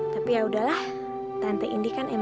tapi yaudahlah tante indi kan enak banget